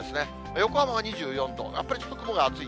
横浜は２４度、やっぱりちょっと雲が厚い。